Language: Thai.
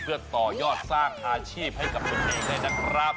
เพื่อต่อยอดสร้างอาชีพให้กับตนเองเลยนะครับ